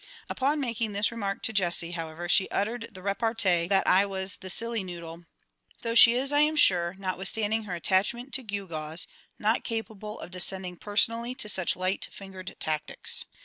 Upon making this remark to JESSIE, however, she uttered the repartee that I was the silly noodle; though she is, I am sure, notwithstanding her attachment to gewgaws, not capable of descending personally to such light fingered tactics.